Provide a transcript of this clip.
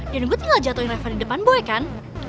dan gua tinggal jatohin reva di depan boy kan